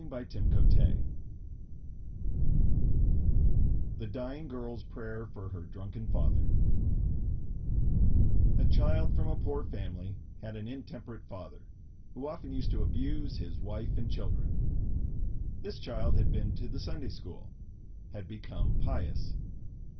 Essie Wilson THE DYING GIRL'S PRAYER FOR HER DRUNKEN FATHER A child from a poor family had an intemperate father, who often used to abuse his wife and children. This child had been to the Sunday School had become pious.